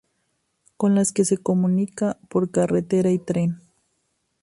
Con las que se comunica por carretera y tren.